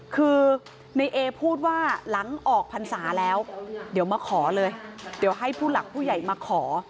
คือในเอพูดว่าหลังออกพรรษาแล้วเดี๋ยวมาขอเลยเดี๋ยวให้ผู้หลักผู้ใหญ่มาขอ